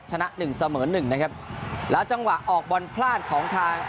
ชนะหนึ่งเสมอหนึ่งนะครับแล้วจังหวะออกบอลพลาดของทาง